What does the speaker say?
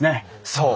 そう！